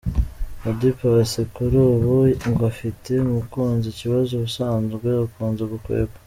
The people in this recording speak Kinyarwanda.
Oda Paccy kuri ubu ngo afite umukunzi, ikibazo ubusanzwe akunze gukwepa.